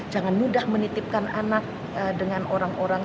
jangan mudah menitipkan anak dengan orang orang